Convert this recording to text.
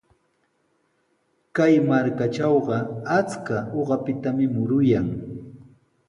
Kay markatrawqa achka uqatami muruyan.